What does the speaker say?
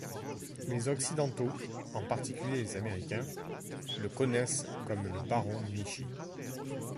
Les Occidentaux, en particulier les Américains, le connaissent comme le Baron Nishi.